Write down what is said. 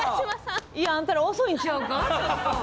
いやあんたら遅いんちゃうか？